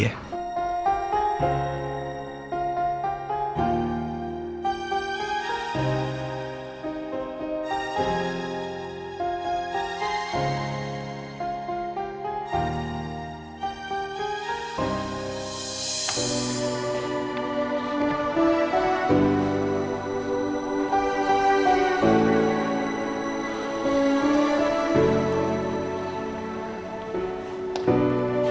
nah hubungannya dengan pigeran